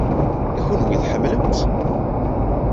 I kenwi, tḥemmlem-tt?